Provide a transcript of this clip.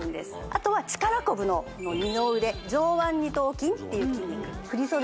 あとは力こぶの二の腕上腕二頭筋っていう筋肉振袖